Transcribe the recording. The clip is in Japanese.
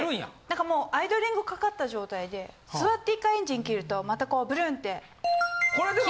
何かもうアイドリングかかった状態で座って１回エンジン切るとまたこうブルンって気合を。